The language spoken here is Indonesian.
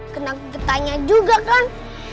kena getanya juga kan